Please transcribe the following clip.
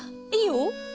いいよ！